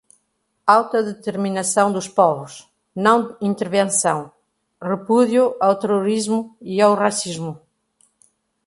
autodeterminação dos povos; não-intervenção; repúdio ao terrorismo e ao racismo;